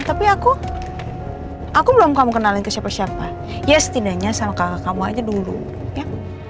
tapi aku aku belum kamu kenalin ke siapa siapa ya setidaknya sama kakak kamu aja dulu ya